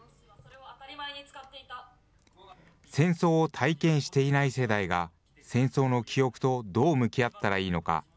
戦争を体験していない世代が、戦争の記憶とどう向き合ったらいいのか。